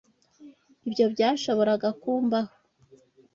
Ibyo byashoboraga kumbaho.